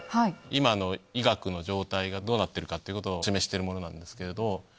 今の医学の状態がどうなっているかを示しているものなんですけれど。